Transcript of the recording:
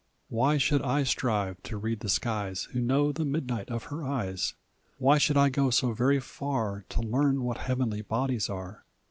Why should I strive to read the skies, Who know the midnight of her eyes? Why should I go so very far To learn what heavenly bodies are!